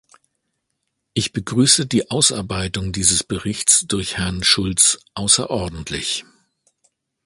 Ich begrüße die Ausarbeitung dieses Berichts durch Herrn Schulz außerordentlich.